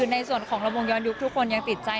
ในส่วนของลำวงย้อนยุคทุกคนยังติดใจ